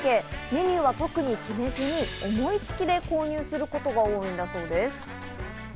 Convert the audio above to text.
メニューは特に決めずに、思いつきで購入することが多いんだそうです。